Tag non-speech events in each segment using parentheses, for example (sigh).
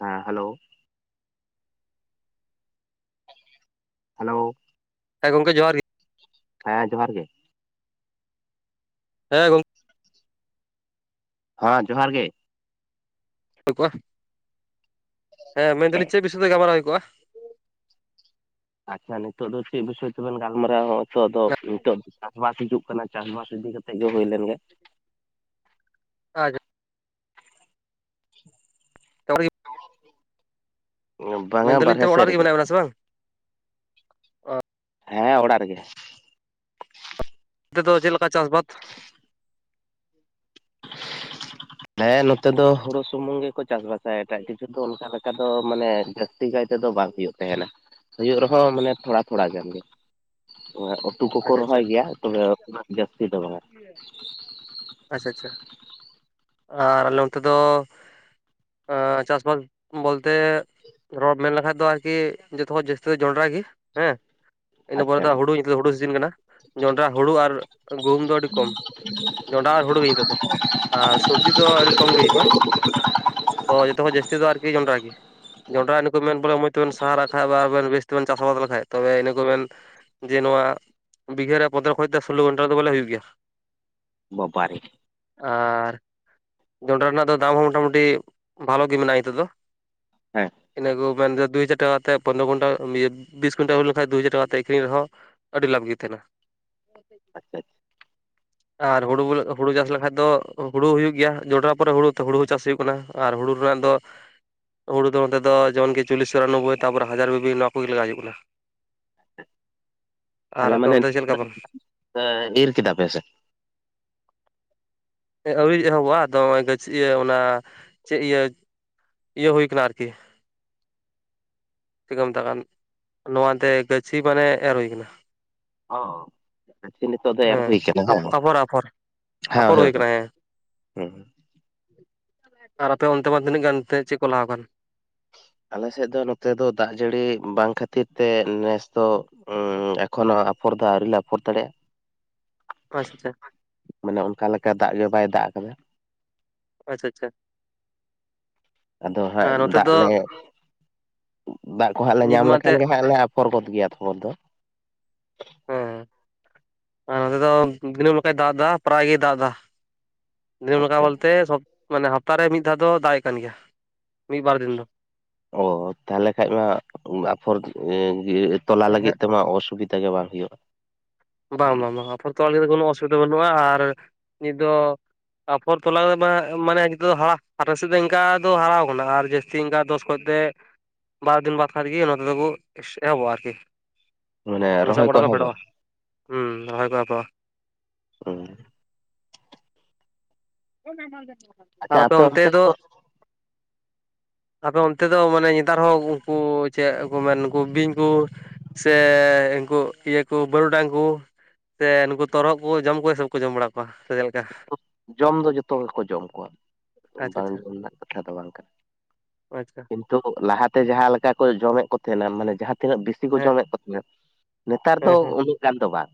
ᱦᱮᱸ hello hello ᱦᱮ ᱜᱚᱢᱠ ᱡᱚᱦᱟᱨ ᱜᱮ ᱦᱮᱸ ᱡᱚᱦᱟᱨ ᱜᱮ ᱾ ᱦᱮᱸ ᱜᱚᱝᱠᱮ ᱦᱮᱸ ᱡᱚᱦᱟᱨ ᱜᱮ ᱠᱚᱜᱼᱟ ᱦᱮᱸ ᱢᱮᱱᱫᱟᱞᱤᱧ ᱪᱮᱫ ᱵᱤᱥᱚᱭ ᱛᱮ ᱜᱟᱞᱢᱟᱨᱟᱣ ᱦᱩᱭ ᱠᱚᱜᱼᱟ ᱟᱪᱪᱷᱟ ᱱᱤᱛᱚᱜ ᱫᱚ ᱪᱮᱫ ᱵᱤᱥᱚᱭ ᱛᱮᱵᱮᱱ ᱜᱟᱞᱢᱟᱨᱟᱣᱟ, ᱦᱚᱜᱼᱚᱭ ᱛᱚ ᱟᱫᱚ ᱱᱤᱛᱚᱜ ᱪᱟᱥᱵᱟᱥ ᱦᱤᱡᱩᱜ ᱠᱟᱱᱟ? ᱪᱟᱥᱵᱟᱥ ᱤᱫᱤ ᱠᱟᱛᱮᱜ ᱜᱮ ᱦᱩᱭ ᱞᱮᱱᱜᱮ ᱟ (inaudible) ᱪ ᱜᱮ (unintelligible) ᱵᱟᱝᱟ ᱢᱮᱱᱫᱟᱞᱤᱧ ᱵᱟᱨᱦᱮ ᱛᱚᱵᱮ ᱥᱮᱫ ᱚᱲᱟᱜ ᱨᱮᱜᱮ ᱢᱮᱱᱟᱜ ᱵᱮᱱᱟ ᱥᱮ ᱵᱟᱝ ᱦᱮᱸ ᱚᱲᱟᱜ ᱨᱮᱜᱮ ᱚᱱᱛᱮ ᱫᱚ ᱪᱮᱫ ᱞᱮᱠᱟ ᱪᱟᱥ ᱵᱟᱫ? ᱦᱮᱸ ᱱᱚᱛᱮ ᱫᱚ ᱦᱩᱲᱳ ᱥᱩᱢᱩᱝ ᱜᱮᱠᱚ ᱪᱟᱥᱵᱟᱥᱟ ᱮᱴᱟᱜ ᱠᱤᱪᱷᱩ ᱫᱚ ᱚᱱᱠᱟ ᱠᱟ ᱫᱚ ᱢᱟᱱᱮ ᱡᱟᱹᱥᱛᱤ ᱠᱟᱭ ᱛᱮᱫᱚ ᱵᱟᱝ ᱦᱩᱭᱩᱜ ᱛᱟᱦᱮᱱᱟ ᱾ ᱦᱩᱭᱩᱜ ᱨᱮᱦᱚᱸ ᱢᱟᱱᱮ ᱛᱷᱚᱲᱟ ᱛᱷᱚᱲᱟ ᱜᱟᱱ ᱜᱮ ᱩᱛᱩ ᱠᱚᱠᱚ ᱟᱪᱪᱷᱟ ᱨᱚᱦᱚᱭ ᱜᱮᱭᱟ ᱛᱚᱵᱮ ᱩᱱᱟᱹᱜ ᱡᱟᱹᱥᱛᱤ ᱫᱚ ᱵᱟᱝᱟ ᱾ ᱟᱪᱪᱷᱟ-ᱟᱪᱪᱷᱟ ᱾ ᱟᱨ ᱟᱞᱮ ᱚᱱᱛᱮ ᱫᱚ ᱪᱟᱥᱵᱟᱥ ᱵᱚᱞᱛᱮ ᱨᱚᱯ ᱢᱮᱱ ᱞᱮᱠᱷᱟᱡ ᱫᱚ ᱟᱨᱠᱤ, ᱡᱚᱛᱚᱠᱷᱡ ᱡᱟᱹᱥᱛᱤ ᱫᱚ ᱡᱚᱱᱰᱨᱟ ᱜᱮ ᱦᱮᱸ ᱾ ᱤᱱᱟᱹ ᱯᱚᱨ ᱟᱪᱪᱷᱟ ᱫᱚ ᱦᱩᱤᱛ ᱫᱚ ᱦᱩᱲᱩ ᱥᱤᱡᱤᱱ ᱠᱟᱱᱟ ᱡᱚᱱᱰᱨᱟ ᱦᱩᱲᱩ ᱟᱨ ᱜᱩᱦᱩᱢ ᱫᱚ ᱟᱹᱰᱤ ᱠᱚᱢ ᱡᱚᱱᱰᱨᱟ ᱟᱨ ᱦᱩᱲᱩ ᱜᱮᱤᱛᱳᱚᱜ ᱫᱚ ᱟᱨ ᱥᱚᱵᱡᱤ ᱫᱚ ᱟᱹᱰᱤ ᱠᱚᱢ ᱜᱮ ᱦᱩᱭᱩᱜᱼᱟ ᱛᱚ ᱡᱚᱛᱚ ᱠᱷᱚᱡ ᱡᱟᱹᱥᱛᱤ ᱫᱚ ᱟᱨᱠᱤ ᱡᱚᱱᱰᱨᱟ ᱜᱮ, ᱡᱚᱱᱰᱨᱟ ᱱᱩᱠᱚ ᱢᱮᱱ ᱵᱚᱞᱮ ᱢᱚᱡᱽ ᱛᱮᱵᱮᱱ ᱥᱟᱨ ᱟᱜᱠᱷᱟᱱ ᱵᱮᱥ ᱛᱮᱵᱮᱱ ᱪᱟᱥ ᱟᱵᱟᱫ ᱞᱮᱠᱷᱟᱡ ᱛᱚᱵᱮ ᱤᱱᱟᱹ ᱠᱚ ᱵᱮᱮᱱ ᱡᱮ ᱱᱚᱣᱟ ᱵᱤᱜᱷᱟᱹᱨ ᱨᱮ ᱯᱚᱫᱨᱚ ᱠᱷᱚᱡ ᱥᱳᱞᱳ ᱜᱷᱚᱱᱴᱟ ᱨᱮᱫᱚ ᱵᱚᱞᱮ ᱦᱩᱭᱩᱜ ᱜᱮᱭᱟ ᱵᱟᱵᱟ ᱨᱮ ᱟᱨ ᱡᱚᱱᱰᱨᱟ ᱨᱮᱱᱟᱜ ᱫᱚ ᱫᱟᱢ ᱦᱚᱸ ᱢᱚᱴᱟᱢᱩᱴᱤ ᱵᱷᱟᱞᱚ ᱜᱮ ᱢᱮᱱᱟᱜᱼᱟ ᱱᱤᱛᱚᱜ ᱫᱚ ᱦᱮᱸ ᱤᱱᱟᱹ ᱠᱚ ᱢᱟᱱ ᱫᱩ ᱦᱟᱡᱟᱨ ᱴᱟᱠᱟ ᱠᱟᱛᱮ ᱯᱚᱱᱨᱚ ᱠᱩᱭᱴ ᱵᱤᱥ ᱠᱩᱭᱴ ᱦᱩᱭ ᱞᱮᱱᱠᱷᱟᱱ ᱫᱩ ᱦᱟᱡᱟᱨᱟᱠᱟ ᱠᱟᱛᱮ ᱟᱹᱠᱷᱤᱨᱨᱤᱧ ᱨᱮᱦᱚᱸ ᱟᱹᱰᱤ ᱞᱟᱵᱷ ᱜᱮ ᱛᱟᱦᱮᱱᱟ ᱟᱪᱪᱷᱟ ᱟᱨ ᱦᱩᱲᱩᱮ ᱦᱩᱲᱩ ᱪᱟᱥ ᱞᱮᱠᱷᱟᱡ ᱫᱚ ᱦᱩᱲᱩ ᱦᱩᱭᱩᱜ ᱜᱮᱭᱟ ᱡᱚᱸᱰᱨᱟ ᱯᱚᱨᱮ ᱦᱩᱲᱩ ᱦᱩᱲᱩ ᱦᱚᱸ ᱪᱟᱥ ᱦᱩᱭᱩᱜ ᱠᱟᱱᱟ ᱟᱨ ᱦᱩᱲᱩ ᱨᱮᱱᱟᱜ ᱫᱚ ᱦᱩᱲᱩ ᱫᱚ ᱱᱚᱛᱮ ᱫᱚ ᱡᱮᱢᱚᱱᱠᱤ ᱪᱚᱞᱞᱤᱥ ᱪᱩᱨᱟᱱᱚᱵᱳᱭ, ᱛᱟᱯᱚᱨ ᱦᱟᱡᱟᱨ ᱵᱤᱵᱤ ᱱᱚᱣᱟ ᱠᱚᱜᱮ ᱞᱟᱜᱟᱣ ᱦᱩᱭᱩᱜ ᱠᱟᱱᱟ ᱾ ᱟᱨ ᱛᱟᱦᱞᱮ ᱟᱯᱮ ᱢᱟᱱᱮ ᱚᱱᱛᱮ ᱪᱮᱫ ᱞᱮᱠᱟ ᱵᱟᱝ ᱤᱨ ᱠᱮᱫ ᱫᱟ ᱯᱮ ᱥᱮᱮ ᱟᱹᱣᱨᱤ ᱮᱦᱚᱵᱚᱜᱼᱟ ᱟᱫᱚᱜ ᱤᱭᱟᱹ ᱚᱱᱟ ᱪᱮᱫ ᱤᱭᱟᱹ ᱤᱭᱟᱹ ᱦᱩᱭ ᱠᱟᱱᱟ ᱟᱨᱠᱤ ᱪᱮᱫᱠᱚ ᱢᱮᱛᱟᱜ ᱠᱟᱱ ᱱᱚᱣᱟᱛᱮ ᱜᱟᱹᱪᱷᱤ ᱢᱟᱱᱮ ᱮᱨ ᱦᱩᱭ ᱠᱟᱱᱟ ᱾ ᱚ ᱟᱪ ᱱᱤᱛᱚᱜ ᱫᱚ ᱮᱨ ᱦᱩᱭ ᱠᱟᱱᱟ ᱦᱮᱸ ᱨᱟᱚᱨ ᱦᱮᱸ ᱦᱮᱸ ᱦᱮ ᱦᱮᱸ ᱟᱨ ᱟᱯᱮ ᱚᱱᱛᱮ ᱢᱟ ᱛᱤᱱᱟᱹᱜ ᱜᱟᱱᱮᱫ ᱪᱮᱫ ᱠᱚ ᱞᱟᱦᱟᱣ ᱟᱠᱟᱱ ᱟᱞᱮᱥᱮᱫ ᱫᱚ ᱱᱚᱛᱮ ᱫᱚ ᱫᱟᱜ ᱡᱟᱹᱲᱤ ᱵᱟᱝ ᱠᱷᱟᱹᱛᱤᱨ ᱛᱮ ᱱᱮᱥ ᱫᱚ ᱦᱚᱸ ᱮᱠᱷᱚᱱᱳ ᱟᱯᱷᱚᱨ ᱫᱚ ᱟᱹᱣᱨᱤ ᱞᱮ ᱟᱯᱷᱚᱨ ᱫᱟᱲᱮᱭᱟᱜᱼᱟ ᱾ ᱟᱪᱪᱷᱟ-ᱟᱪᱪᱷᱟ ᱾ ᱢᱟᱱᱮ ᱚᱱᱠᱟ ᱞᱮᱠᱟ ᱫᱟᱜ ᱜᱮ ᱵᱟᱭ ᱫᱟᱜ ᱟᱠᱟᱫᱟ ᱟᱪᱪᱷᱟ ᱟᱪᱪᱷᱟ ᱟᱫᱚ ᱦᱟᱸᱜ ᱦᱮᱸ ᱱᱚᱛᱮ ᱫᱟᱜ ᱫᱚ ᱞᱮ ᱫᱟᱜ ᱠᱚᱦᱟᱸᱜ ᱞᱮ ᱱᱤᱛ ᱧᱟᱢ ᱢᱟ ᱞᱮᱠᱷᱟᱱ ᱮᱱᱛᱮᱫ ᱜᱮ ᱦᱟᱜ ᱯᱚᱨᱵᱚᱛ ᱜᱮᱭᱟ ᱛᱚᱢᱚᱨ ᱫᱚ ᱦᱮᱸ ᱟᱨ ᱱᱚᱛᱮ ᱫᱚ ᱫᱤᱱᱟᱹᱢ ᱞᱮᱠᱟᱭ ᱫᱟᱜ ᱮᱫᱟ ᱯᱟᱨᱟᱭ ᱜᱮᱭ ᱫᱟᱜ ᱮᱫᱟ ᱫᱮ ᱱᱚᱝᱠᱟ ᱟᱪᱪᱷᱟ ᱵᱚᱞᱛᱮ ᱢᱟᱱᱮ ᱦᱟᱯᱛᱟᱨᱮ ᱢᱤᱫ ᱫᱷᱟᱣ ᱫᱚ ᱫᱟᱜ ᱮᱮᱫ ᱠᱟᱱ ᱜᱮᱭᱟ ᱢᱤᱫ ᱵᱟᱨ ᱫᱤᱱ ᱫᱚ ᱚ ᱛᱟᱦᱚᱞᱮ ᱠᱷᱟᱱ ᱢᱟ (unintelligible) ᱛᱚᱞᱟ ᱦᱮᱸ ᱞᱟᱹᱜᱤᱫ ᱛᱮᱢᱟ ᱚᱥᱩᱵᱤᱫᱷᱟ ᱜᱮ ᱵᱟᱝ ᱦᱩᱭᱩᱜᱼᱟ ᱵᱟᱝ - ᱵᱟᱝ ᱟᱯᱚᱨᱛᱚ ᱟᱹᱞᱤᱝ ᱫᱚ ᱠᱚᱱᱳ ᱚᱥᱩᱵᱤᱫᱷᱟ ᱵᱟᱹᱱᱩᱜᱼᱟ ᱟᱨ (inaudible) ᱱᱤᱛ ᱫᱚ ᱟᱯᱷᱚᱨ ᱛᱚᱞᱟᱫᱚ ᱢᱟᱱᱮ ᱫᱚ ᱦ ᱦᱟᱨ ᱥᱮᱫ ᱫᱚ ᱤᱱᱠᱟ ᱫᱚ ᱦᱟᱨᱟ ᱟᱠᱟᱱᱟ ᱟᱨ ᱡᱟᱹᱥᱛᱤ ᱛᱦᱮᱤᱱ ᱜᱟ ᱫᱚᱥ ᱠᱷ ᱛᱮ ᱵᱟᱨᱚ ᱫᱤᱱ ᱵᱟᱫᱽ ᱠᱷᱟᱱᱜ ᱜᱮ ᱱᱚᱛᱮ ᱫᱚᱠᱚ ᱮᱦᱚᱵᱚᱜᱼᱟ ᱟᱨᱠᱤ ᱢᱟᱱᱮ ᱞᱚᱥᱚᱫ ᱨᱚᱦᱚᱭ ᱠᱚ ᱜᱚᱰᱟ ᱮᱦᱚᱵ ᱵ ᱯᱷᱮᱰᱚᱜᱼᱟ ᱦᱩᱸ ᱨᱚᱦᱚᱭ ᱠᱚᱜᱼᱟ ᱯᱚ ᱦᱩᱸ (unintelligible) ᱟᱨ ᱟᱯᱮ ᱚᱱᱛᱮ ᱫᱚ (inaudible) ᱟᱯᱮ ᱚᱱᱛᱮ ᱫᱚ ᱢᱟᱱᱮ ᱱᱮᱛᱟᱨ ᱦᱚᱸ ᱩᱱᱠᱩ ᱪᱮᱫ ᱠᱚ ᱢᱮᱱᱠᱩ ᱵᱤᱧ ᱠᱚ ᱥᱮ ᱤᱱᱠᱩ ᱤᱭᱟᱹ ᱠᱚ ᱵᱟᱹᱨᱩᱜᱰᱟᱝ ᱠᱚ ᱥᱮ ᱱᱩᱠᱩ ᱛᱚᱨᱚᱫ ᱠᱚ ᱡᱚᱢ ᱠᱚᱣᱟ ᱥᱮ ᱠᱚ ᱡᱚᱢ ᱵᱟᱲᱟ ᱠᱚᱣᱟ ᱥᱮ ᱪᱮᱫᱮ ᱞᱮᱠᱟ ᱡᱚᱢ ᱫᱚ ᱡᱚᱛᱚ ᱦᱚᱲ ᱜᱮᱠᱚ ᱡᱚᱢ ᱠᱚᱣᱟ᱾ (inaudible) ᱟᱪᱪᱷᱟ ᱵᱟᱝ ᱟᱪᱪᱷᱟ ᱧᱩ ᱨᱮᱱᱟᱜ ᱠᱟᱛᱷᱟ ᱫᱚ ᱵᱟᱝ ᱠᱟᱱᱟ ᱟᱪᱪᱷᱟ (inaudible) ᱤᱱᱛᱩ ᱛᱚ ᱞᱟᱦᱟᱛᱮ ᱡᱟᱦᱟᱸ ᱞᱮᱠᱟ ᱠᱚ ᱡᱚᱢᱮᱫ ᱠᱚ ᱛᱟᱦᱮᱱᱟ ᱢᱟᱱᱮ ᱡᱟᱦᱟᱸ ᱛᱤᱱᱟᱹᱜ ᱵᱮᱥᱤ ᱠᱚ ᱦᱮᱸ ᱡᱚᱢᱮᱫ ᱠᱚ ᱛᱟᱦᱮᱱᱟ ᱱᱮᱛᱟᱨ ᱦᱮᱸ ᱫᱚ ᱦᱮᱸ ᱩᱱᱟᱹᱜ ᱜᱟᱱ ᱫᱚ ᱵᱟᱝ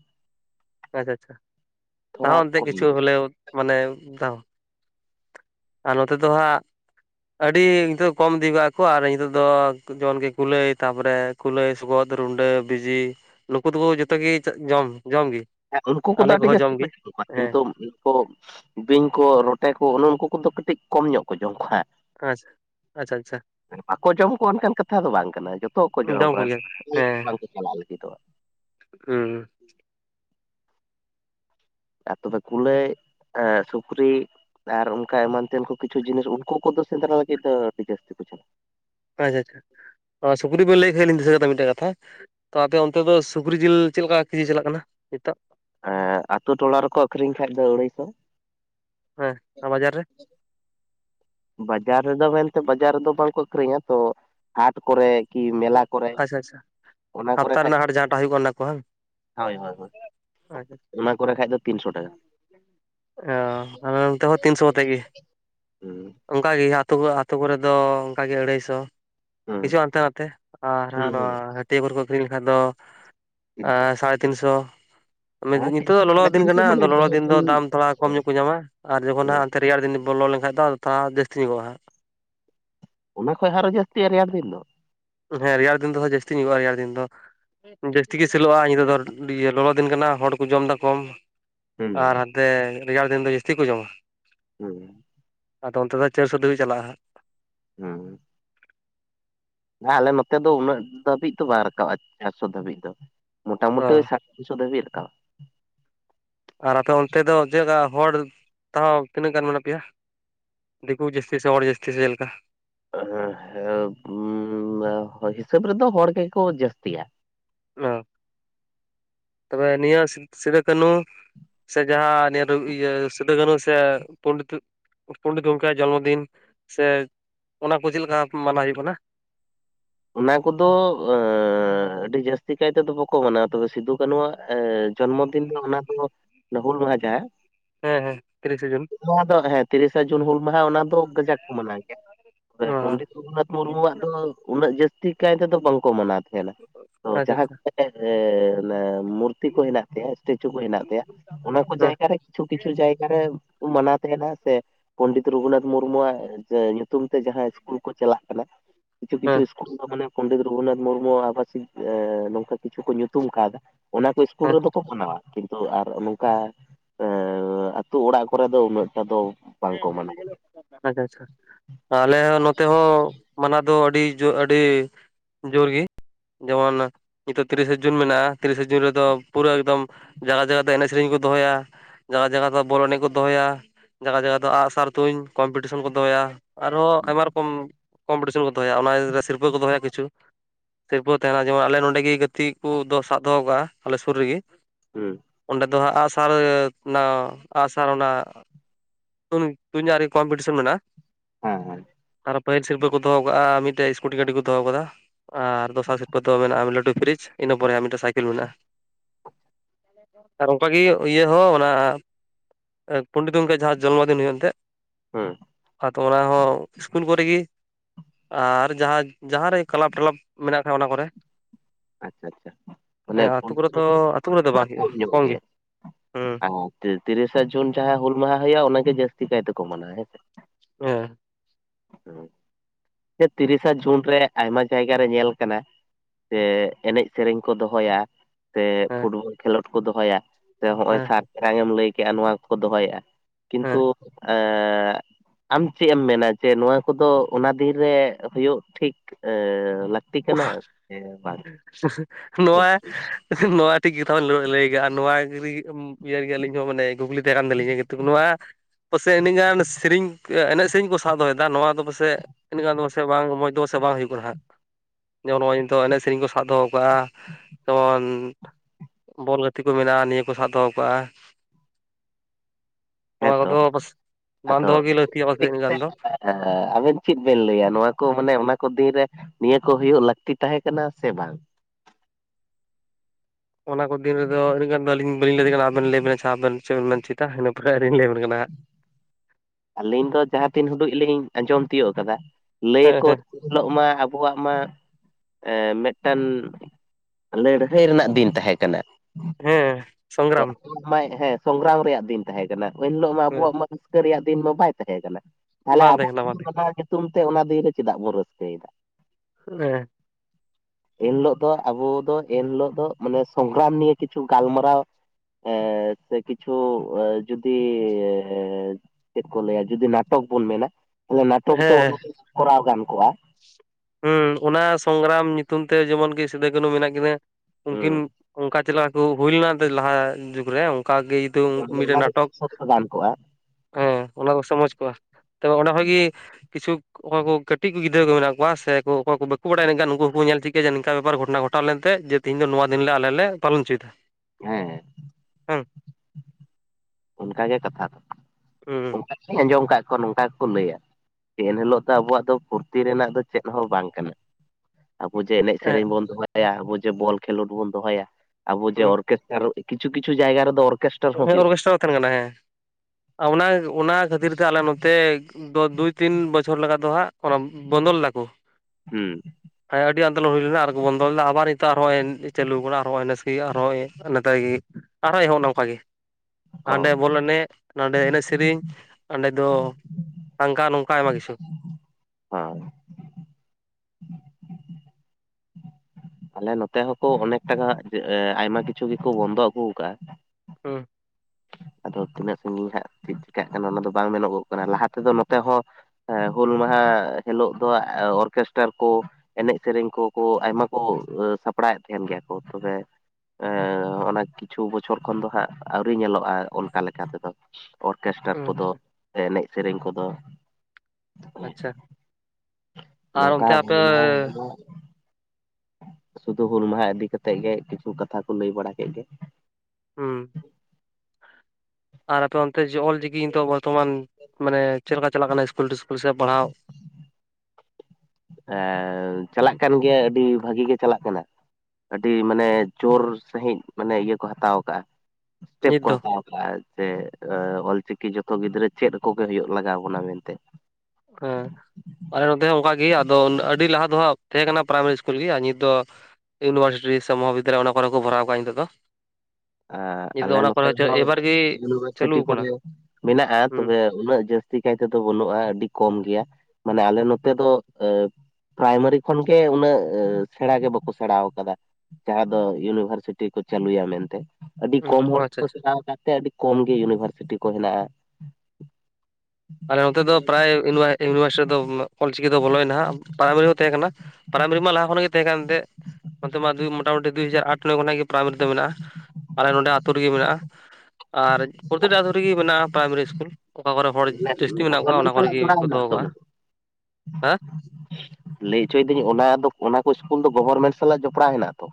ᱟᱪᱪᱷᱟ ᱟᱪᱪᱷᱟ (inaudible) ᱮᱱᱛᱮ ᱛᱷᱚᱲᱟ ᱦᱚᱸ ᱠᱚᱢ ᱠᱤᱪᱷᱩ ᱧᱚᱜ ᱵᱚᱞᱮ ᱢᱟᱱᱮ ᱫᱟ ᱟᱨ ᱱᱚᱛᱮ ᱫᱚ ᱦᱟᱸᱜ ᱟᱹᱰᱤ ᱱᱤᱛᱚᱜ ᱫᱚ ᱠᱚᱢ ᱤᱫᱤ ᱠᱟᱜᱼᱟ ᱠᱚ ᱟᱨ ᱱᱤᱛᱚᱜ ᱫᱚ ᱡᱮᱢᱚᱱ ᱜᱮᱤ ᱠᱩᱞᱟᱹᱭ ᱛᱟᱯᱚᱨᱮ ᱠᱩᱞᱟᱹᱭ ᱥᱚᱜᱚᱫ ᱨᱩᱱᱰᱟᱹ ᱵᱤᱡᱤ ᱱᱩᱠᱩ ᱫᱚᱠᱚ ᱡᱚᱛᱚᱜ ᱜᱮ ᱡᱚᱢ ᱡᱚᱢ ᱜᱮ ᱦᱮᱸ ᱩᱱᱠᱩ ᱠᱚᱫᱚ ᱟᱞᱮ ᱟᱹᱰᱤ ᱠᱚᱦᱚᱸ ᱡᱚᱢ ᱜᱮᱟᱹᱥᱛᱤ ᱜᱮ ᱧ ᱠᱚᱣᱟ ᱦᱮᱸ ᱠᱤᱱᱛᱩ ᱵᱤᱧ ᱠᱚ ᱨᱚᱴᱮ ᱠᱚ ᱩᱱᱠᱩ ᱠᱚᱫᱚ ᱠᱟᱹᱴᱤᱡ ᱠᱚᱢ ᱧᱚᱜ ᱠᱚ ᱡᱚᱜ ᱠᱚᱣᱟ ᱾ ᱟᱪᱪᱷᱟ ᱟᱪᱪᱷᱟ ᱟᱪᱪᱷᱟ ᱵᱟᱠᱚ ᱡᱚᱢ ᱠᱚᱣᱟ ᱚᱱᱠᱟᱱ ᱠᱟᱛᱷᱟ ᱫᱚ ᱵᱟᱝ ᱠᱟᱱᱟ ᱡᱚᱛᱚᱠᱚ ᱡᱚᱢ ᱠᱚᱣᱟ ᱠᱚᱜᱮᱭᱟ ᱦᱮᱸ ᱪᱞ ᱠ ᱫᱚ ᱦᱩᱸ ᱟᱨ ᱛᱚᱵᱮ ᱠᱩᱞᱟᱹᱭ (inaudible) ᱟᱻ ᱥᱩᱠᱨᱤ ᱟᱨ ᱚᱱᱠᱟ ᱮᱢᱟᱱ ᱛᱮᱱ ᱠᱚ ᱠᱤᱪᱷᱩ ᱡᱤᱱᱤᱥ ᱩᱱᱠᱩ ᱠᱚᱫᱚ ᱥᱮᱸᱫᱽᱨᱟ ᱞᱟᱹᱜᱤᱫ ᱫᱚ ᱟᱹᱰᱤ ᱡᱟᱹᱥᱛᱤ ᱠᱚ ᱪᱟᱞᱟᱜᱼᱟ᱾ ᱟᱪᱪᱷᱟ ᱟᱪᱪᱷᱟ (inaudible) ᱥᱩᱠᱨᱤ ᱵᱮᱱ ᱞᱟᱹᱭ ᱠᱷᱟᱱ (unintelligible) ᱫᱤᱥᱟᱹᱛ ᱢᱤᱫᱴᱟᱝ ᱠᱟᱛᱷᱟ ᱛᱚ ᱟᱯᱮ ᱚᱱᱛᱮ ᱫᱚ ᱥᱩᱠᱨᱤ ᱡᱤᱞ ᱪᱮᱫ ᱞᱮᱠᱟ ᱠᱮᱡᱤ ᱪᱟᱞᱟᱜ ᱠᱟᱱᱟ ᱱᱤᱛᱚᱜ? ᱮ ᱟᱛᱚ ᱴᱚᱞᱟ ᱨᱮᱠᱚ ᱟᱹᱷᱨᱤᱧ ᱠᱷᱟᱡ ᱫᱚ ᱟᱹᱲᱤ ᱥᱚ ᱦᱮᱸ ᱵᱟᱡᱟᱨ ᱨᱮ ᱵᱟᱡᱟᱨ ᱨᱮᱫᱚ ᱢᱮᱱᱛᱮ ᱵᱟᱡᱟᱨ ᱨᱮᱫᱚ ᱵᱟᱝᱠᱚ ᱟᱹᱠᱷᱨᱤᱧᱟ ᱛᱚ ᱦᱟᱴ ᱠᱚᱨᱮ ᱠᱤ ᱢᱮᱞᱟ ᱠᱚᱨᱮ ᱟᱪᱪᱷᱟ ᱟᱪᱪᱷᱟ (inaudible) ᱚᱱᱟ ᱠᱚᱨᱮ ᱦᱟᱯᱛᱟ ᱠᱷᱟᱱ ᱨᱮᱱᱟᱜ (unintelligible) ᱦᱟᱴ ᱡᱟᱦᱟᱸᱴᱟᱜ ᱦᱩᱭᱩᱜ ᱠᱟᱱᱟ ᱚᱱᱟ ᱠᱚ ᱵᱟᱝ ᱦᱳᱭ ᱦᱳᱭᱭ ᱟᱪᱪᱷᱟ ᱚᱱᱟ ᱠᱚᱨᱮ ᱠᱷᱟᱱ ᱫᱚ ᱛᱤᱱᱥᱚ ᱴᱟᱠᱟ ᱚ ᱟᱯᱮ ᱚᱱᱛᱮ ᱦᱚᱸ ᱛᱤᱱᱥᱚ ᱟᱛᱮ ᱜᱮ᱾ ᱦᱩᱸ ᱚᱱᱠᱟᱜᱮ ᱟᱹᱛᱩ ᱠᱚ ᱟᱹᱛᱩ ᱠᱚᱨᱮᱫᱚ ᱚᱱᱠᱟᱜᱮ ᱟᱹᱲᱦᱟᱹᱭ ᱥᱚ ᱦᱩᱸ ᱠᱤᱪᱷᱩ ᱦᱟᱱᱛᱮ ᱱᱟᱛᱮ ᱟᱨ ᱦᱩᱸ ᱱᱚᱣᱟ ᱦᱩᱸ ᱦᱟᱹᱴᱭᱟᱹ ᱠᱚᱨᱮ ᱠᱚ ᱟᱹᱠᱷᱨᱤᱧ ᱞᱮᱠᱷᱟᱱ ᱫᱚ ᱮ ᱛᱤᱱᱥᱚ ᱥᱟᱲᱮ ᱛᱤᱱᱥᱚ ᱦᱮᱸ ᱱᱤᱛᱚᱜ ᱛᱤᱱᱥᱚ ᱫᱚ ᱞᱚᱞᱚ ᱥᱟᱲᱮ ᱫᱤᱱ ᱛᱤᱱᱥᱚ ᱠᱟᱱᱟ ᱢᱟᱱᱮ ᱟᱫᱚ ᱞᱚᱞᱚ ᱡᱟᱦᱟᱸ ᱫᱤᱱ ᱫᱚ ᱛᱤᱱ ᱫᱟᱢ ᱛᱷᱚᱲᱟ ᱠᱚᱢ ᱧᱚᱜ ᱠᱚ ᱧᱟᱢᱟ ᱟᱨ ᱡᱚᱠᱷᱚᱱ ᱦᱟᱸ ᱦᱩᱸ ᱦᱟᱛᱮ ᱨᱮᱭᱟᱲ ᱫᱤᱱ ᱵᱚᱞᱚ ᱞᱮᱱᱠᱷᱟᱱ ᱫᱚ ᱟᱫᱚ ᱛᱟ ᱡᱟᱹᱥᱛᱤ ᱧᱚᱜᱼᱟ ᱦᱟᱜ ᱚᱱᱟ ᱠᱷᱚᱡ ᱟᱨᱚ ᱡᱟᱹᱥᱛᱤᱜᱼᱟ ᱨᱮᱭᱟᱲ ᱫᱤᱱ ᱫᱚ ᱦᱮᱸ ᱨᱮᱭᱟᱲ ᱫᱤᱱ ᱫᱚ ᱡᱟᱹᱥᱛᱤ ᱧ ᱦᱩᱭᱩᱜᱼᱟ ᱨᱮᱭᱟᱲ ᱫᱤᱱ ᱫᱚ ᱡᱟᱹᱥᱛᱤ ᱜᱮ ᱥᱮᱞᱚᱜᱼᱟ ᱧᱤᱛᱚᱜ ᱫᱚ ᱞᱚᱞᱚ ᱫᱤᱱ ᱠᱟᱱᱟ ᱦᱚᱲ ᱠᱚ ᱡᱚᱢ ᱮᱫᱟ ᱠᱚᱢ ᱦᱩᱸ ᱟᱨ ᱦᱟᱱᱛᱮ ᱨᱮᱭᱟᱲ ᱫᱤᱱ ᱫᱚ ᱡᱟᱹᱥᱛᱤ ᱠᱚ ᱡᱚᱢᱟ ᱦᱩᱸ ᱟᱫᱚ ᱚᱱᱛᱮ ᱫᱚ ᱪᱟᱹᱨ ᱥᱮᱫ ᱫᱷᱜᱵ ᱪᱟᱞᱟᱜᱼᱟᱟᱸᱜ ᱦᱮᱸ ᱵᱟᱝ ᱟᱞᱮ ᱱᱚᱛᱮ ᱫᱚ ᱩᱱᱟᱹᱜ ᱫᱷᱟᱹᱵᱤᱡ ᱫᱚ ᱵᱟᱝᱟᱭ ᱨᱟᱠᱟᱵᱼᱟ, ᱪᱟᱨᱥᱚ ᱫᱷᱟᱹᱵᱤᱡ ᱫᱚ᱾ ᱚ ᱢᱚᱴᱴᱟᱢᱩᱴᱤ ᱥᱟᱲᱮ ᱛᱤᱱ ᱦᱩᱭᱩᱜᱮᱫᱠᱟᱣᱟ ᱟᱨ ᱟᱯᱮ ᱚᱱᱛᱮ ᱫᱚ ᱪᱮᱫ ᱞᱮᱠᱟ ᱦᱚᱲ ᱛᱚᱦᱚᱸ ᱛᱤᱱᱟᱹᱜ ᱜᱟᱱ ᱢᱮᱱᱟᱜ ᱯᱮᱭᱟ᱾ ᱫᱤᱠᱩ ᱡᱟᱹᱥᱛᱤ ᱥᱮ ᱦᱚᱲ ᱡᱟᱹᱥᱛᱤ ᱥᱮ ᱪᱮᱞᱮ ᱞᱮᱠᱟ ᱦᱤᱥᱟᱹᱵ ᱨᱮᱫᱚ ᱦᱚᱲ ᱜᱮᱠᱚ ᱡᱟᱹᱥᱛᱤᱭᱟ᱾ ᱚ ᱛᱚᱵᱮ ᱱᱤᱭᱟᱹ ᱥᱤᱫᱩ ᱠᱟᱹᱱᱦᱩ ᱥᱮ ᱡᱟᱦᱟᱸ ᱱᱤᱭᱟᱹ (unintelligible) ᱥᱤᱫᱩ ᱠᱟᱱᱩ ᱥᱮ ᱯᱟᱱᱰᱮ ᱯᱚᱱᱰᱤᱛ ᱜᱚᱝᱠᱮᱭᱟᱜ ᱡᱚᱱᱢᱚ ᱫᱤᱱ ᱥᱮ ᱚᱱᱟ ᱠᱚ ᱪᱮᱫ ᱞᱮᱠᱟ ᱢᱟᱱᱟᱣ ᱦᱩᱭᱩᱜ ᱠᱟᱱᱟ᱾ ᱚᱱᱟ ᱠᱚᱫᱚ ᱟᱹᱰᱤ ᱡᱟᱹᱥᱛᱤ ᱠᱟᱭ ᱛᱮᱫᱚ ᱵᱟᱠᱚ ᱢᱟᱱᱟᱣᱟ ᱛᱚᱵᱮ ᱥᱤᱫᱩ ᱠᱟᱱᱩᱣᱟᱜ ᱡᱚᱱᱢᱚ ᱫᱤᱱ ᱫᱚ ᱚᱱᱟ ᱫᱚ ᱦᱩᱞ ᱢᱟᱦᱟ ᱡᱟᱦᱟᱸ ᱠᱤᱨᱤᱥᱮ ᱡᱩᱱ ᱱᱚᱣᱟ ᱫᱚ ᱦᱮᱸ ᱛᱤᱨᱤᱥᱟ ᱡᱩᱱ ᱦᱩᱞ ᱢᱟᱦᱟ ᱚᱱᱟ ᱫᱚ ᱠᱟᱡᱟᱠ ᱠᱚ ᱢᱟᱱᱟᱣ ᱜᱮᱭᱟ᱾ ᱚ ᱯᱚᱱᱰᱤᱛ ᱨᱚᱜᱷᱩᱱᱟᱛᱷ ᱢᱩᱨᱢᱩᱣᱟᱜ ᱫᱚ ᱩᱱᱟᱹᱜ ᱡᱟᱹᱥᱛᱤ ᱠᱟᱭ ᱛᱮᱫᱚ ᱵᱟᱝᱠᱚ ᱢᱟᱱᱟᱣ ᱛᱟᱦᱮᱸᱱᱟ, ᱛᱚ ᱟᱪᱪᱷᱟ ᱡᱟᱦᱟᱸ ᱠᱚ ᱟᱪᱪᱷᱟ ᱢᱩᱨ ᱢᱚᱨᱛᱤ ᱠᱚ ᱦᱮᱱᱟᱜ ᱛᱟᱭᱟ ᱥᱴᱮᱪᱩ ᱠᱚ ᱦᱮᱱᱟᱜ ᱛᱟᱭᱟ ᱚᱱᱟ ᱠᱚ ᱦᱮᱸ ᱡᱟᱭᱜᱟ ᱨᱮ ᱠᱤᱪᱷᱩ ᱠᱤᱪᱷᱩ ᱡᱟᱭᱜᱟ ᱨᱮ ᱢᱟᱱᱟᱣ ᱛᱟᱦᱮᱱᱟ ᱥᱮ ᱯᱚᱱᱰᱤᱛ ᱨᱚᱜᱷᱩᱱᱟᱛᱷ ᱢᱩᱨᱢᱩᱣᱟᱜ ᱧᱩᱛᱩᱢ ᱛᱮ ᱡᱟᱦᱟᱸ ᱤᱥᱠᱩᱞ ᱠᱚ ᱪᱟᱞᱟᱜ ᱠᱟᱱᱟ᱾ ᱠᱤᱪᱷᱩ ᱠᱤᱪᱷᱩ ᱦᱮᱸ ᱤᱥᱠᱩᱞ ᱫᱚ ᱢᱟᱱᱮ ᱯᱚᱱᱰᱤᱛ ᱨᱚᱜᱷᱩᱱᱟᱛᱷ ᱢᱩᱨᱢᱩ ᱟᱵᱟᱹᱥᱤ ᱱᱚᱝᱠᱟ ᱠᱤᱪᱷᱩ ᱠᱚ ᱧᱩᱛᱩᱢ ᱠᱟᱣᱫᱟ᱾ ᱚᱱᱟ ᱠᱤ ᱤᱥᱠᱩᱞ ᱦᱮᱸ ᱨᱮᱫᱚ ᱠᱚ ᱢᱟᱱᱟᱣᱟ ᱠᱤᱱᱛᱩ ᱟᱨ ᱱᱚᱝᱠᱟ ᱟᱹᱛᱩ ᱚᱲᱟᱜ ᱠᱚᱨᱮ ᱫᱚ ᱩᱱᱟᱹᱜᱴᱟᱜ ᱫᱚ ᱵᱟᱝᱠᱚ ᱦᱮᱸ ᱢᱟᱱᱟᱣ ᱜᱮᱭᱟ (unintelligible) ᱟᱪᱪᱷᱟ ᱟᱞᱮ ᱱᱚᱛᱮ ᱦᱚᱸ ᱢᱟᱱᱟᱣ ᱫᱚ ᱟᱹᱰᱤ ᱟᱹᱰᱤ ᱡᱳᱨ ᱜᱮ᱾ ᱡᱮᱢᱚᱱ ᱱᱤᱛᱚᱜ ᱛᱤᱨᱤᱥᱮ ᱡᱩᱱ ᱢᱮᱱᱟᱜᱼᱟ, ᱛᱤᱨᱤᱥᱮ ᱡᱩᱱ ᱨᱮᱫᱚ ᱯᱩᱨᱟᱹ ᱮᱠᱫᱚᱢ ᱡᱟᱭᱜᱟ ᱡᱟᱭᱜᱟᱛᱮ ᱮᱱᱮᱡ ᱥᱮᱨᱮᱧ ᱠᱚ ᱫᱚᱦᱚᱭᱟ ᱡᱟᱭᱜᱟ ᱡᱟᱭᱜᱟᱛᱮ ᱵᱚᱞ ᱮᱱᱮᱡ ᱠᱚ ᱫᱚᱦᱚᱭᱟ᱾ ᱡᱟᱭᱜᱟ ᱡᱟᱭᱜᱟ ᱫᱚ ᱟᱜ ᱥᱟᱨ ᱛᱩᱧ ᱠᱚᱢᱯᱤᱴᱤᱥᱮᱱ ᱠᱚ ᱫᱚᱦᱚᱭᱟ ᱟᱨᱦᱚᱸ ᱟᱭᱢᱟ ᱨᱚᱠᱚᱢ᱾ ᱠᱚᱢᱯᱤᱴᱤᱥᱚᱱ ᱠᱚ ᱫᱚᱦᱚᱭᱟ ᱚᱱᱟ ᱥᱤᱨᱯᱟᱹ ᱠᱚᱦᱚᱭᱟ ᱠᱤᱪᱷᱩ᱾ ᱥᱤᱨᱯᱟᱹ ᱛᱟᱦᱮᱱᱟ ᱡᱮᱢᱚᱱ ᱟᱞᱮ ᱱᱚᱸᱰᱮ ᱜᱮ ᱜᱟᱛᱮᱜ ᱠᱚ ᱫᱚᱥ ᱦᱟᱜ ᱠᱚ ᱫᱚᱦᱚ ᱠᱟᱜᱼᱟ ᱟᱞᱮ ᱥᱩᱨ ᱨᱮᱜᱮ ᱦᱮᱸ ᱚᱸᱰᱮ ᱫᱚ ᱦᱟᱸᱜ ᱟᱸᱜᱼᱥᱟᱨ ᱚᱱᱟ ᱟᱸᱜᱼᱥᱟᱨ ᱚᱱᱟ (unintelligible) ᱟᱨ ᱠᱚᱢᱯᱤᱴᱤᱥᱚᱱ ᱦᱮᱸ ᱦᱮᱸ ᱢᱮᱱᱟᱜᱼᱟᱱᱟ ᱯᱟᱹᱦᱤᱞ ᱥᱤᱨᱯᱟᱹ ᱠᱚ ᱫᱚᱦᱚᱣ ᱠᱟᱜᱼᱟ ᱢᱤᱫᱴᱮᱡ ᱤᱥᱠᱩᱴᱤ ᱜᱟᱹᱰᱤ ᱠᱚ ᱫᱚᱦᱚᱣ ᱠᱟᱫᱟ ᱟᱨ ᱫᱚᱥᱟᱨ ᱥᱤᱨᱯᱟᱹ ᱫᱚ ᱢᱮᱱᱟᱜᱼᱟ ᱞᱟᱹᱰᱩ ᱯᱷᱨᱤᱡ᱾ ᱤᱱᱟᱹ ᱯᱚᱨᱮ ᱢᱤᱫᱴᱮᱱ ᱥᱟᱭᱠᱮᱞ ᱢᱮᱱᱟᱜᱼᱟ᱾ ᱟᱨ ᱚᱱᱠᱟᱜᱮ ᱤᱭᱟᱹ ᱦᱚᱸ ᱚᱱᱟ ᱯᱚᱱᱰᱤᱛ ᱜᱚᱢᱠᱮ ᱡᱟᱦᱟᱸ ᱡᱚᱱᱢᱚ ᱫᱤᱱ ᱦᱩᱭᱩᱜ ᱮᱱᱛᱮᱜ ᱦᱩᱸ ᱟᱫᱚ ᱚᱱᱟ ᱦᱚᱸ ᱤᱥᱠᱩᱞ ᱠᱚᱨᱮᱜ ᱜᱮ᱾ ᱟᱨ ᱡᱟᱦᱟᱸ ᱡᱟᱦᱟᱸᱨᱮ ᱠᱞᱟᱯ ᱴᱚᱞᱟᱯ ᱢᱮᱱᱟᱜ ᱠᱷᱟ ᱚᱱᱟ ᱠᱚᱨᱮ᱾ ᱟᱪᱪᱷᱟ ᱟᱪᱪᱷᱟ ᱢᱟᱱᱮ ᱦᱮ ᱟᱹᱛᱩ ᱯᱚᱱᱰᱤᱛ ᱠᱚᱨᱮ ᱫᱚ ᱨᱚᱜᱷᱩᱱᱟᱛᱷ ᱟᱹᱛᱩ ᱠᱚᱨᱮ ᱢᱩᱨᱢᱩ ᱫᱚ ᱛᱷᱚᱲᱟ ᱵᱟᱝ ᱦᱩᱭᱩᱜᱼᱟ ᱧᱚᱜ ᱠᱚᱢ ᱜᱮ ᱦᱩᱸ ᱟᱨ ᱛᱤᱨᱤᱥᱟ ᱡᱩᱱ ᱡᱟᱦᱟᱸ ᱦᱩᱞ ᱢᱟᱦᱟ ᱦᱩᱭᱩᱜᱼᱟ ᱚᱮ ᱡᱟᱹᱥᱛᱤ ᱠᱟᱭ ᱛᱮᱠᱚ ᱢᱟᱱᱟᱣᱟ ᱦᱮᱸᱥᱮ (unintelligible) ᱛᱤᱨᱤᱥᱟ ᱡᱩᱱ ᱨᱮ ᱟᱭᱢᱟ ᱡᱟᱭᱜᱟ ᱨᱮ ᱧᱮᱞ ᱟᱠᱟᱱᱟ ᱥᱮ ᱮᱱᱮᱡ ᱥᱮᱨᱮᱧ ᱠᱚ ᱫᱚᱦᱚᱭᱟ᱾ ᱥᱮ ᱦᱮᱸ ᱯᱷᱩᱴᱵᱚᱞ ᱠᱷᱮᱞᱚᱸᱰ ᱠᱚ ᱫᱚᱦᱚᱭᱟ ᱥᱮ ᱦᱚᱸᱜᱼᱚᱭ ᱦᱮᱸ ᱥᱟᱨ (unintelligible) ᱮᱢ ᱞᱟᱹᱭ ᱠᱮᱫᱮᱜᱼᱟ ᱱᱚᱣᱟ ᱠᱚᱠᱚ ᱫᱚᱦᱚᱭᱮᱫᱼᱟ ᱠᱤᱱᱛᱩ ᱦᱮᱸ ᱟ ᱟᱢ ᱪᱮᱫ ᱮᱢ ᱢᱮᱱᱟ ᱡᱮ ᱱᱚᱣᱟ ᱠᱚᱫᱚ ᱚᱱᱟ ᱫᱤᱱ ᱨᱮ ᱦᱩᱭᱩᱜ ᱴᱷᱤᱠ ᱞᱟᱹᱠᱛᱤ ᱴᱤᱠ ᱟᱱᱟ ᱥᱮ ᱵᱟᱝ? ᱱᱚᱣᱟ ᱱᱚᱣᱟ ᱴᱷᱤᱠ ᱠᱟᱛᱷᱟ ᱦᱚᱸ ᱞᱟᱹᱭ ᱟᱨ ᱱᱚᱣᱟ ᱟᱹᱨ ᱜᱮᱭᱟ ᱟᱹᱞᱤᱧ ᱦᱚᱸ ᱢᱟᱱᱮ ᱠᱩᱠᱞᱤ ᱛᱟᱦᱮᱸ ᱠᱟᱱ ᱛᱟᱹᱞᱤᱧᱟ (unintelligible) ᱱᱚᱣᱟ ᱯᱟᱥᱮᱜ ᱟᱞᱤᱧᱟᱜ ᱚᱱᱟ ᱥᱮᱨᱮᱧ ᱮᱱᱮᱡ ᱥᱮᱨᱮᱧ ᱠᱚ ᱥᱟᱵ ᱫᱚᱦᱚᱭᱮᱫᱟ ᱱᱚᱣᱟ ᱫᱚ ᱯᱟᱥᱮᱡ ᱮᱱᱟᱹᱠᱷᱟᱱ ᱫᱚ ᱯᱟᱥᱮ ᱵᱟᱝ ᱢᱚᱡᱽ ᱫᱚ ᱯᱟᱥᱮ ᱵᱟᱝ ᱦᱩᱭᱩᱜ ᱠᱟᱱᱟ ᱦᱟᱸᱜ ᱡᱮᱢᱚᱱ ᱱᱚᱜ-ᱚᱭ ᱱᱤᱛᱚᱜ ᱮᱱᱮᱡ ᱥᱮᱨᱮᱧ ᱠᱚ ᱥᱟᱵ ᱫᱚᱦᱚ ᱠᱟᱜᱼᱟ ᱡᱮᱢᱚᱱ ᱵᱚᱞ ᱜᱟᱛᱮ ᱠᱚ ᱢᱮᱱᱟᱜᱼᱟ ᱱᱤᱭᱟᱹ ᱠᱚ ᱥᱟᱵ ᱫᱚᱦᱚ ᱠᱟᱜᱼᱟ ᱱᱚᱣᱟ ᱦᱮᱸᱛᱚ ᱠᱚᱫᱚ ᱵᱟᱝ ᱫᱚᱦᱚ ᱜᱮ ᱞᱟᱹᱠᱛᱤᱜᱼᱟ ᱵᱟᱨᱫᱤᱱ ᱜᱟᱱ ᱫᱚ ᱮᱸᱻ ᱟᱵᱮᱱ ᱪᱮᱫ ᱵᱮᱱ ᱞᱟᱹᱭᱟ ᱱᱚᱣᱟ ᱠᱚ ᱢᱟᱱᱮ ᱚᱱᱟ ᱠᱚ ᱫᱤᱱ ᱨᱮ ᱱᱤᱭᱟᱹ ᱠᱚ ᱦᱩᱭᱩᱜ ᱞᱟᱹᱠᱛᱤ ᱛᱟᱦᱮᱸ ᱠᱟᱱᱟ ᱥᱮ ᱵᱟᱝ ᱚᱱᱟ ᱠᱚ ᱫᱤᱱ ᱨᱮᱫᱚ ᱟ. ᱲᱤᱜᱟᱱ ᱫᱚ ᱟᱞᱤᱧ ᱵᱟᱞᱤᱧ ᱞᱟᱹᱭᱫᱟᱲᱮ ᱠᱟᱱᱟ ᱟᱵᱮᱱ ᱞᱟᱹᱭᱵᱮᱱ ᱟᱪᱪᱷᱟ ᱟᱵᱮᱱ ᱪᱮᱫ ᱵᱮᱱ ᱢᱮᱱᱪᱚᱭᱮᱫᱟ ᱤᱱᱟᱹ ᱯᱚᱨᱮ ᱟᱹᱞᱤᱧ ᱞᱟᱹᱭ ᱟᱵᱤᱱ ᱠᱟᱱᱟ ᱦᱟᱜ ᱟᱹᱞᱤᱧ ᱫᱚ ᱡᱟᱦᱟᱸ ᱛᱤᱱ ᱦᱩᱰᱩᱡ ᱞᱤᱧ ᱟᱸᱡᱚᱢ ᱛᱤᱭᱳᱜ ᱠᱟᱫᱟ ᱦᱮᱸ ᱞᱟᱹᱭᱟᱠᱚ ᱦᱮᱸ ᱩᱱᱦᱤᱞᱚᱜ ᱢᱟ ᱟᱵᱚᱣᱟᱜ ᱢᱟ ᱮᱻ ᱢᱤᱫᱴᱟᱝ ᱞᱟᱹᱲᱦᱟᱹᱭ ᱨᱮᱱᱟᱜ ᱫᱤᱱ ᱛᱟᱦᱮᱸ ᱠᱟᱱᱟ ᱦᱮᱸ ᱥᱚᱝᱜᱨᱟᱢ ᱦᱮᱸ ᱥᱚᱝᱜᱨᱟᱢ ᱨᱮᱭᱟᱜ ᱫᱤᱱ ᱛᱟᱦᱮᱸᱠᱟᱱᱟ ᱮᱱᱦᱤᱞᱳᱜ ᱢᱟ ᱦᱮᱸ ᱟᱵᱚᱣᱟᱜ ᱢᱟ ᱨᱟᱹᱥᱠᱟᱹ ᱨᱮᱭᱟᱜ ᱫᱤᱱ ᱫᱚ ᱵᱟᱭ ᱛᱟᱦᱮᱸ ᱠᱟᱱᱟ ᱛᱟᱦᱞᱮ ᱵᱟᱝ ᱟᱵᱚ ᱛᱟᱦᱮᱸ ᱠᱟᱱᱟ ᱵᱟᱝ ᱛᱟᱦᱮᱸ ᱚᱱᱟ ᱧᱩᱛᱩᱢ ᱛᱮ ᱚᱱᱟ ᱫᱤᱱ ᱨᱮ ᱪᱮᱫᱟᱜ ᱵᱚ ᱨᱟᱹᱥᱠᱟᱹᱭᱮᱫᱟ ᱦᱮᱸ ᱮᱱᱦᱤᱞᱳᱜ ᱫᱚ ᱟᱵᱚ ᱫᱚ ᱮᱱᱦᱤᱞᱳᱜ ᱫᱚ ᱢᱟᱱᱮ ᱥᱚᱝᱜᱨᱟᱢ ᱱᱤᱭᱮ ᱠᱤᱪᱷᱩ ᱜᱟᱞᱢᱟᱨᱟᱣ ᱮᱸᱻ ᱥᱮ ᱠᱤᱪᱷᱩ ᱡᱩᱫᱤ ᱪᱮᱫ ᱠᱚ ᱞᱟᱹᱭᱟ ᱡᱩᱫᱤ ᱱᱟᱴᱚᱠ ᱵᱚᱱ ᱢᱮᱱᱟ ᱛᱟᱦᱞᱮ ᱱᱟᱴᱚᱠ ᱫᱚ ᱦᱮᱸ ᱠᱚᱨᱟᱣ ᱜᱟᱱ ᱠᱚᱜᱼᱟ ᱦᱩᱸ ᱚᱱᱟ ᱥᱚᱝᱜᱨᱟᱢ ᱧᱩᱛᱩᱢ ᱛᱮ ᱡᱮᱢᱚᱱᱠᱤ ᱥᱤᱫᱩ ᱠᱟᱹᱱᱩ ᱢᱮᱱᱟᱜ ᱠᱤᱱᱟᱹ ᱩᱱᱠᱤᱱ ᱦᱩᱸ ᱚᱱᱠᱟ ᱪᱮᱞᱟ ᱦᱩᱭ ᱞᱮᱱᱟ ᱮᱱᱛᱮᱫ ᱞᱟᱦᱟ ᱡᱩᱜᱽ ᱨᱮ ᱚᱝᱠᱟᱜᱮ ᱚᱱᱟ ᱫᱚ (unintelligible) ᱜᱟᱱ ᱠᱚᱜᱼᱟ ᱦᱮᱸ ᱚᱱᱟ ᱠᱚ ᱥᱮ ᱢᱚᱡᱽ ᱠᱚᱜᱼᱟ ᱛᱚᱵᱮ ᱚᱱᱟ ᱠᱚᱜᱮ ᱠᱤᱪᱷᱩ ᱚᱠᱚᱭ ᱠᱚ ᱠᱟᱹᱴᱤᱡ ᱠᱚ ᱜᱤᱫᱽᱨᱟᱹ ᱠᱚ ᱢᱮᱱᱟᱜ ᱠᱚᱣᱟ ᱚᱠᱟ ᱥᱮ ᱠᱚ ᱚᱠᱚᱭ ᱠᱚ ᱵᱟᱠᱚ ᱵᱟᱲᱟᱭ ᱤᱱᱟᱹᱠᱷᱟᱱ ᱩᱱᱠᱩ ᱦᱚᱸᱠᱚ ᱧᱮᱞ ᱪᱮᱫ ᱠᱚᱣᱟ ᱴᱷᱤᱠ ᱜᱮᱭᱟ ᱱᱤᱝᱠᱟ ᱵᱮᱯᱟᱨ ᱜᱷᱚᱴᱚᱱᱟ ᱜᱷᱚᱴᱟᱣ ᱞᱮᱱ ᱡᱮ ᱛᱮᱦᱮᱧ ᱱᱚᱣᱟ ᱫᱤᱱ ᱞᱮ ᱟᱞᱮ ᱞᱮ ᱯᱟᱞᱚᱱ ᱦᱚᱪᱚᱭᱮᱫᱟ ᱦᱮᱸ ᱦᱮᱸ ᱚᱱᱠᱟᱜᱮ ᱠᱟᱛᱷᱟ ᱫᱚ ᱦᱩᱸ ᱚᱱᱠᱟ ᱟᱸᱡᱚᱢ ᱠᱟᱜ ᱠᱚᱣᱟ ᱱᱚᱝᱠᱟ ᱜᱮᱠᱚ ᱞᱟᱹᱭᱟ ᱮᱱ ᱦᱤᱞᱳᱜ ᱫᱚ ᱟᱵᱚᱣᱟᱜ ᱫᱚ ᱯᱷᱩᱨᱛᱤ ᱨᱮᱱᱟᱜ ᱫᱚ ᱪᱮᱫ ᱦᱚᱸ ᱵᱟᱝ ᱠᱟᱱᱟ ᱟᱵᱚ ᱡᱮ ᱮᱱᱮᱡ ᱥᱮᱨᱮᱧ ᱵᱚᱱ ᱫᱚᱦᱚᱭᱟ ᱟᱵᱚ ᱡᱮ ᱵᱚᱞ ᱠᱷᱮᱞᱳᱰ ᱵᱚᱱ ᱫᱚᱦᱚᱭᱟ ᱟᱵᱚ ᱡᱮ ᱦᱩᱸ ᱠᱮᱯᱪᱟᱨᱚᱜ ᱠᱤᱪᱷᱩ ᱠᱤᱪᱷᱩ ᱡᱟᱭᱜᱟ ᱨᱮᱫᱚ ᱚᱨ (unintelligible) (unintelligible) ᱚᱱᱟ ᱚᱱᱟ ᱠᱷᱟᱹᱛᱤᱨ ᱛᱮ ᱟᱞᱮ ᱱᱚᱛᱮ ᱫᱩ ᱫᱩᱭ ᱛᱤᱱ ᱵᱚᱪᱷᱚᱨ ᱵᱚᱪᱷᱚᱨ ᱞᱟᱜᱟ ᱫᱚ ᱦᱟᱸᱜ ᱚᱱᱟ ᱵᱚᱱᱚᱫᱚ ᱞᱮᱱᱟᱠᱚ ᱦᱩᱸ ᱦᱮᱸ ᱟᱹᱰᱤ ᱟᱱᱫᱳᱞᱚᱱ ᱦᱩᱭ ᱞᱮᱱᱟ ᱟᱨ ᱠᱚ ᱵᱚᱱᱫᱚ ᱞᱮᱫᱟ ᱟᱵᱟᱨ ᱱᱤᱛᱚᱜ ᱟᱨ ᱟᱨ ᱦᱚᱸ ᱪᱟᱞᱩᱣᱟ ᱠᱟᱱᱟ ᱟᱨ ᱦᱚᱸ ᱵᱮᱥᱜᱮᱢ ᱦᱩᱭᱩᱜ-ᱟ ᱟᱨᱦᱚᱸ (unintelligible) ᱟᱨᱦᱚᱸ ᱮᱦᱚᱵᱱᱟ ᱚᱝᱠᱟ ᱜᱮ ᱚ ᱦᱟᱸᱰᱮ ᱵᱚᱞ ᱮᱱᱮᱡ ᱱᱟᱰᱮ ᱮᱱᱮᱡ ᱥᱮᱨᱮᱧ ᱚᱸᱰᱮ ᱫᱚ ᱦᱟᱝᱠᱟ ᱱᱚᱝᱠᱟ ᱟᱭᱢᱟ ᱠᱤᱪᱷᱩ (unintelligible) ᱟᱞᱮ ᱱᱚᱛᱮ ᱦᱚᱸᱠᱚ ᱚᱱᱮᱠ ᱴᱟᱠᱟ ᱟᱭᱢᱟ ᱠᱤᱪᱷᱩ ᱜᱮᱠᱚ ᱵᱚᱱᱫᱚ ᱟᱹᱜᱩᱣ ᱠᱟᱜᱼᱟ ᱦᱩᱸ ᱟᱫᱚ ᱛᱤᱱᱟᱹᱜ ᱥᱟᱺᱜᱤᱧ ᱦᱟᱸᱜ ᱪᱮᱫ ᱪᱮᱠᱟᱜ ᱠᱟᱱᱟ ᱚᱱᱟ ᱫᱚ ᱵᱟᱝ ᱢᱮᱱᱚᱜᱚᱜ ᱠᱟᱱᱟ ᱞᱟᱦᱟ ᱛᱮᱫᱚ ᱱᱚᱛᱮ ᱦᱚᱸ ᱦᱮᱸ ᱦᱩᱞ ᱢᱟᱦᱟ ᱦᱤᱞᱳᱜ ᱫᱚ ᱚᱨᱠᱮᱥᱴᱟᱨ ᱠᱚ ᱮᱱᱮᱡ ᱥᱮᱨᱮᱧ ᱠᱚᱠᱚ ᱟᱭᱢᱟ ᱠᱚ ᱥᱟᱯᱲᱟᱣᱮᱫ ᱛᱟᱸᱦᱮᱱ ᱜᱮᱭᱟ ᱠᱚ ᱛᱚᱵᱮ ᱦᱮᱸ ᱚᱱᱟ ᱠᱤᱪᱷᱩ ᱵᱚᱪᱷᱚᱨ ᱠᱷᱚᱱ ᱫᱚ ᱦᱟᱸᱜ ᱟᱹᱣᱨᱤ ᱧᱮᱞᱚᱜᱼᱟ ᱚᱱᱠᱟ ᱞᱮᱠᱟ ᱛᱮᱫᱚ ᱚᱨᱠᱮᱥᱴᱟᱨ ᱦᱩᱸ ᱠᱚᱫᱚ ᱮᱱᱮᱡ ᱥᱮᱨᱮᱧ ᱠᱚᱫᱚ ᱟᱪᱪᱷᱟ ᱟᱨ ᱱᱚᱝᱠᱟ ᱚᱱᱛᱮ ᱟᱯᱮ ᱦᱩᱞ ᱢᱟᱸᱦᱟ ᱦᱩᱭᱩᱜ ᱢᱟ ᱥᱩᱫᱩ ᱦᱩᱞ ᱢᱟᱦᱟ ᱤᱫᱤ ᱠᱟ ᱠᱟᱛᱮᱜ ᱜᱮ ᱠᱤᱪᱷᱩ ᱠᱟᱛᱷᱟ ᱠᱚ ᱞᱟᱹᱭ ᱵᱟᱲᱟ ᱠᱮᱫ ᱜᱮ᱾ ᱦᱩᱸ ᱟᱨ ᱟᱯᱮ ᱚᱱᱛᱮ ᱚᱞ ᱪᱤᱠᱤ ᱱᱤᱛᱚᱜ ᱵᱚᱨᱛᱚᱢᱟᱱ ᱢᱟᱱᱮ ᱪᱮᱫ ᱞᱮᱠᱟ ᱪᱟᱞᱟᱜ ᱠᱟᱱᱟ ᱤᱥᱠᱩᱞ ᱴᱤᱥᱠᱩᱞ ᱥᱮ ᱯᱟᱲᱦᱟᱣ ᱮ ᱪᱟᱞᱟᱜ ᱠᱟᱱ ᱜᱮᱭᱟ ᱟᱹᱰᱤ ᱵᱷᱟᱜᱤ ᱜᱮ ᱪᱟᱞᱟᱜ ᱠᱟᱱᱟ᱾ ᱟᱹᱰᱤ ᱢᱟᱱᱮ ᱡᱳᱨ ᱥᱟᱺᱦᱤᱡ ᱢᱟᱱᱮ ᱤᱭᱟᱹ ᱠᱚ ᱦᱟᱛᱟᱣ ᱠᱟᱜᱼᱟ ᱥᱴᱮᱯ ᱱᱤᱛ ᱠᱚ ᱫᱚ ᱦᱟᱛᱟᱣ ᱟᱨ ᱥᱮ ᱮ ᱚᱞᱪᱤᱠᱤ ᱡᱚᱛᱚ ᱜᱤᱫᱽᱨᱟᱹ ᱪᱮᱫ ᱠᱚᱜᱮ ᱦᱩᱭᱩᱜ ᱞᱟᱜᱟᱣ ᱵᱚᱱᱟ ᱢᱮᱱᱛᱮ ᱦᱮᱸ ᱟᱞᱮ ᱱᱚᱛᱮ ᱦᱚᱸ ᱚᱝᱠᱟ ᱜᱮ ᱟᱫᱚ ᱟᱹᱰᱤ ᱞᱟᱦᱟ ᱫᱚ ᱦᱟᱸᱜ ᱛᱟᱦᱮᱸ ᱠᱟᱱᱟ ᱯᱨᱟᱭᱢᱟᱤ ᱤᱥᱠᱩᱞ ᱜᱮ ᱟᱨ ᱱᱤᱛ ᱫᱚ ᱤᱭᱩᱱᱤᱵᱷᱟᱨᱥᱤᱴᱤ ᱥᱮ ᱢᱚᱦᱟ ᱵᱤᱫᱽᱫᱟᱞᱚᱭ ᱚᱱᱟ ᱠᱚᱨᱮ ᱠᱚ ᱵᱷᱚᱨᱟᱣ ᱟᱠᱟᱜ-ᱟ ᱱᱤᱛᱚᱜ ᱫᱚ᱾ ᱟ ᱱᱤᱛ ᱫᱚ ᱟᱞᱮ ᱚᱱᱟ ᱱᱚᱛᱮ ᱠᱚᱨᱮ ᱦᱚᱸ ᱮᱵᱟᱨ ᱜᱮ ᱪᱟᱹᱞᱩ ᱤᱭᱩᱱᱤᱵᱷᱟᱨᱥᱤᱴᱤ ᱟᱠᱟᱱᱟ ᱠᱚᱨᱮ ᱢᱮᱱᱟᱜᱼᱟ ᱦᱩᱸ ᱛᱚᱵᱮ ᱩᱱᱟᱹᱜ ᱡᱟᱹᱥ ᱛᱤ ᱠᱟᱭ ᱛᱮᱫᱚ ᱵᱟᱹᱱᱩᱜᱼᱟ ᱟᱹᱰᱤ ᱠᱚᱢ ᱜᱮᱭᱟ ᱢᱟᱱᱮ ᱟᱞᱮ ᱱᱚᱛᱮ ᱦᱩᱸ ᱫᱚ ᱮ ᱯᱨᱟᱭᱢᱟᱨᱤ ᱠᱷᱚᱱᱜᱮ ᱩᱱᱟᱹᱜ ᱥᱮᱬᱟ ᱜᱮ ᱵᱟᱠᱚ ᱥᱮᱬᱟᱣᱠᱟᱫᱟ᱾ ᱡᱟᱦᱟᱸ ᱫᱚ ᱤᱭᱩᱱᱤᱵᱷᱟᱨᱥᱤᱴᱤ ᱠᱚ ᱪᱟᱹᱞᱩᱭᱟ ᱢᱮᱱᱛᱮ ᱟᱹᱰᱤ ᱦᱩᱸ ᱠᱚᱢ ᱟᱪᱪᱷᱟ ᱦᱚᱲᱠᱚ ᱟᱪᱪᱷᱟ ᱥᱮᱬᱟ ᱠᱟᱜ ᱛᱮ ᱟᱹᱰᱤ ᱠᱚᱢ ᱜᱮ ᱤᱭᱩᱱᱤᱵᱷᱟᱨᱥᱤᱴᱤ ᱠᱚ ᱦᱮᱱᱟᱜᱼᱟ᱾ ᱟᱞᱮ ᱱᱚᱛᱮ ᱫᱚ ᱯᱨᱟᱭ ᱤᱭᱩᱱᱤᱵᱷᱟᱭ ᱤᱭᱩᱱᱤᱵᱷᱟᱨᱥᱤᱴᱤ ᱫᱚ ᱚᱞᱪᱤᱠᱤ ᱫᱚ ᱵᱚᱞᱚᱭᱱᱟ ᱦᱟᱸᱜ ᱯᱨᱟᱭᱢᱟᱨᱤ ᱦᱚᱸ ᱛᱟᱦᱮᱸ ᱠᱟᱱᱟ ᱯᱨᱟᱭᱢᱟᱨᱤ ᱢᱟ ᱞᱟᱦᱟ ᱠᱷᱚᱱ ᱜᱮ ᱛᱟᱦᱮᱸ ᱠᱟᱱ ᱮᱱᱛᱮᱜ ᱚᱱᱛᱮ ᱢᱟ ᱫᱩᱭ ᱢᱩᱴᱟᱢᱩᱴᱤ ᱫᱩᱭ ᱦᱟᱡᱟᱨ ᱟᱴ ᱱᱚᱭ ᱠᱷᱚᱱᱟᱜ ᱜᱮ ᱯᱨᱟᱭᱢᱟᱨᱤ ᱫᱚ ᱢᱮᱱᱟᱜ-ᱟ᱾ ᱟᱞᱮ ᱱᱚᱸᱰᱮ ᱟᱛᱩ ᱨᱮᱜᱮ ᱢᱮᱱᱟᱜᱼᱟ ᱟᱨ ᱯᱨᱚᱛᱤᱴᱟ ᱟᱛᱩ ᱨᱮᱜᱮ ᱢᱮᱱᱟᱜ-ᱟ ᱯᱨᱟᱭᱢᱟᱨᱤ ᱤᱥᱠᱩᱞ ᱚᱠᱟ ᱠᱚᱨᱮ ᱦᱚᱲ (unintelligible) ᱡᱟᱹᱥᱛᱤ ᱢᱮᱱᱟᱜ ᱠᱚᱣᱟ ᱚᱱᱟ ᱠᱚᱨᱮ ᱜᱮ ᱠᱚ ᱫᱚᱦᱚ ᱠᱟᱜᱼᱟ ᱦᱮᱸ ᱞᱟᱹᱭ ᱚᱪᱚᱭᱫᱟᱹᱧ ᱚᱱᱟ ᱫᱚ ᱚᱱᱟ ᱠᱚ ᱤᱥᱠᱩᱞ ᱫᱚ ᱜᱚᱵᱷᱚᱨᱢᱮᱱᱴ ᱥᱟᱞᱟᱜ ᱡᱚᱯᱲᱟᱣ ᱦᱮᱱᱟᱜ ᱛᱚ